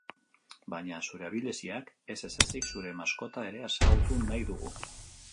Baina, zure abileziak ez ezezik, zure maskota ere ezagutu nahi dugu.